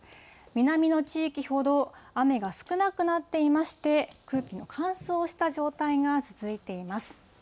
南の地域ほど雨が少なくなっていまして、空気の乾燥した状態が続いています。